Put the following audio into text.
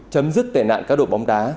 chấm dứt tệ nạn cá độ bóng đá